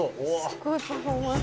すごいパフォーマンス。